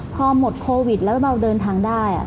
พอหมดโควิดแล้วเราเดินทางได้